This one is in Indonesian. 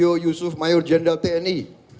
yo yusuf mayor jenderal tni